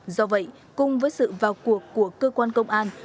do vậy cùng với sự vào cuộc của cơ quan công an